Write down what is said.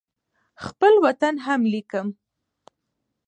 خپل وطن هم لیکم.